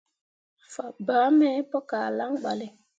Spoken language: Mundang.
Fabaa me pu kah lan ɓale.